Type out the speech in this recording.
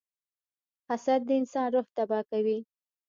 • حسد د انسان روح تباه کوي.